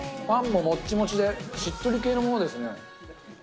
パンももっちもちでしっとり系のものですね。